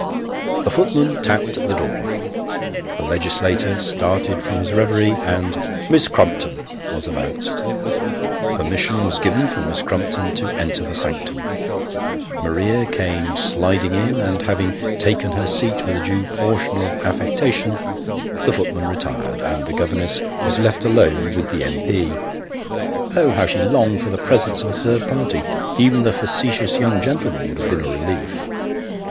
The footman tapped at the door the legislator started from his reverie, and " Miss Crumpton " was announced. Permission was given for Miss Crurnpton to enter the sanctum ; Maria came sliding in, and 250 Sketches by Bos. having taken her seat with a due portion of affectation, the footman retired, and the governess was left alone with the M.P. Oh ! how she longed for the presence of a third party ! Even the facetious young gentleman would have been a relief.